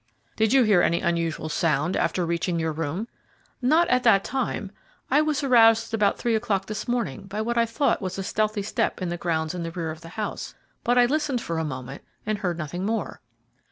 "Did you hear any unusual sound after reaching your room?" "Not at that time. I was aroused about three o'clock this morning by what I thought was a stealthy step in the grounds in the rear of the house, but I listened for a moment and heard nothing more."